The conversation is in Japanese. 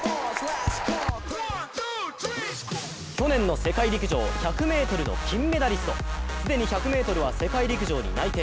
去年の世界陸上１００ｍの金メダリスト既に１００ｍは世界陸上に内定。